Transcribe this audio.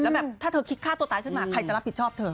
แล้วแบบถ้าเธอคิดฆ่าตัวตายขึ้นมาใครจะรับผิดชอบเธอ